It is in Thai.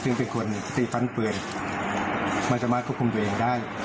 ซึ่งเป็นคนที่ฟันปืนไม่สามารถควบคุมตัวเองได้